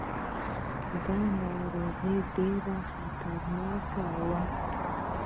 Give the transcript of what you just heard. دا ناروغي ډېره خطرناکه وه.